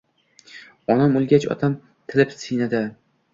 Onam o’lgach otam tilib siynamni